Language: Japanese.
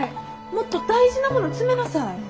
もっと大事なもの詰めなさい。